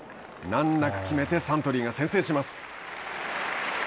難なく決めて、サントリーが先制します。